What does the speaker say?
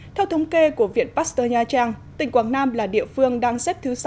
theo thống kê của viện pasteur nha trang tỉnh quảng nam là địa phương đang xếp thứ sáu